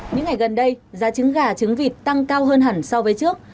những ngày gần đây giá trứng gà trứng vịt tăng cao hơn hẳn so với trước